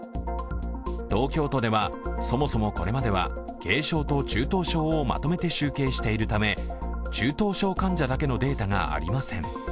東京都ではそもそもこれまでは軽症と中等症をまとめて集計しているため中等症患者だけのデータがありません。